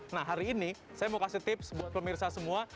nah hari ini saya mau kasih tips buat pemirsa semua